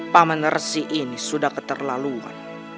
pak man resi ini sudah keterlaluan